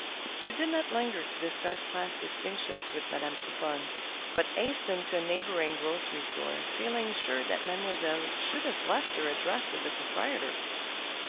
She did not linger to discuss class distinctions with Madame Pouponne, but hastened to a neighboring grocery store, feeling sure that Mademoiselle would have left her address with the proprietor.